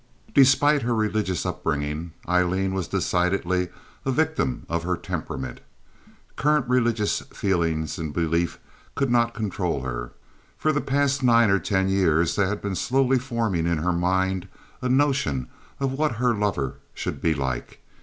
Despite her religious upbringing, Aileen was decidedly a victim of her temperament. Current religious feeling and belief could not control her. For the past nine or ten years there had been slowly forming in her mind a notion of what her lover should be like.